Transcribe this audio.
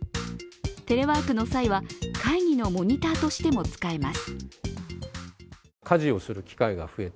テレワークの際は、会議のモニターとしても使えます。